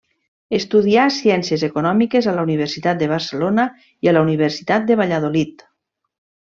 Estudià Ciències Econòmiques a la Universitat de Barcelona i a la Universitat de Valladolid.